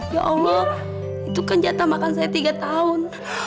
ya allah itu kan jatah makan saya tiga tahun